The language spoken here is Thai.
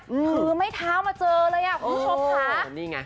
พื้นไม้เท้ามาเจอเลยคุณผู้ชมค่ะ